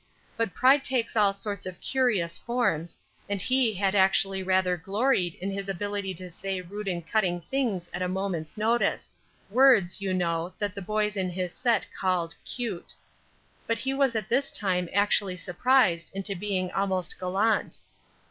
But pride takes all sorts of curious forms, and he had actually rather gloried in his ability to say rude and cutting things at a moment's notice; words, you know, that the boys in his set called 'cute.' But he was at this time actually surprised into being almost gallant.